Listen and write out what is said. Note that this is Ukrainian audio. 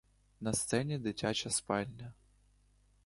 На сцені дитяча спальня.